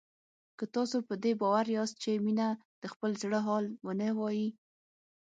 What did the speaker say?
که تاسو په دې باور یاست چې مينه د خپل زړه حال نه وايي